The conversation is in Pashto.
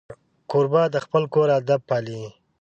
کوربه د خپل کور ادب پالي.